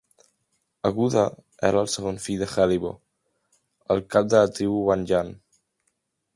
Aguda era el segon fill de Helibo, el cap de la tribu wanyan.